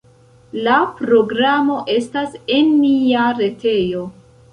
La programo estas en nia retejo.